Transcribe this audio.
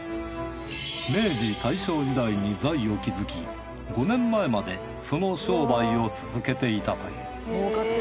明治・大正時代に財を築き５年前までその商売を続けていたという。